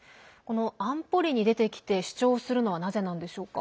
安保理に出てきて主張をするのはなぜでしょうか。